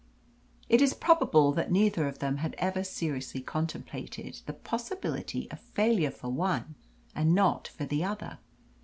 It is probable that neither of them had ever seriously contemplated the possibility of failure for one and not for the other.